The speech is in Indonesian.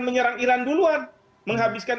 menyerang iran duluan menghabiskan